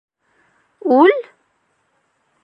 Үл?